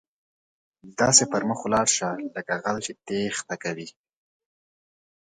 داسې پر مخ ولاړ شه، لکه غل چې ټیښته کوي.